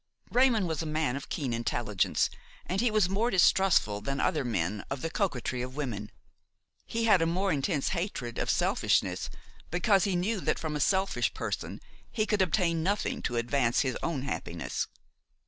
Raymon was a man of keen intelligence and he was more distrustful than other men of the coquetry of women; he had a more intense hatred of selfishness because he knew that from a selfish person he could obtain nothing to advance his own happiness.